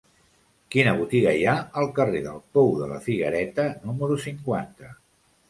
Quina botiga hi ha al carrer del Pou de la Figuereta número cinquanta?